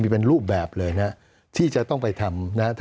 เป็นรูปแบบเลยนะที่จะต้องไปทำนะ